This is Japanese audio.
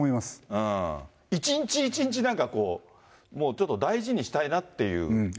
一日一日、なんかこう、もう、ちょっと大事にしたいなっていう。